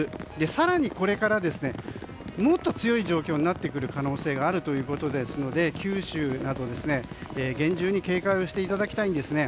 更にこれからもっと強い状況になってくる可能性があるということですので九州など厳重に警戒していただきたいんですね。